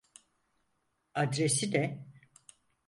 Adresi ne?